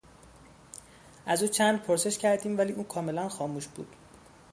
از او چند پرسش کردیم ولی او کاملا خاموش بود.